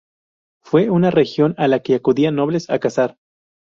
Fue una región a la que acudían nobles a cazar.